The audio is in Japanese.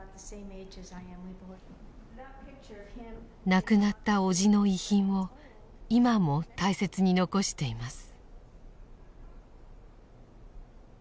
亡くなった伯父の遺品を今も大切に残しています。